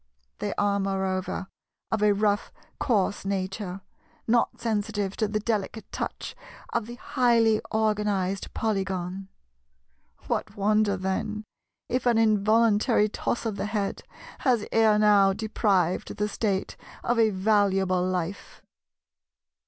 They are, moreover, of a rough coarse nature, not sensitive to the delicate touch of the highly organized Polygon. What wonder then if an involuntary toss of the head has ere now deprived the State of a valuable life!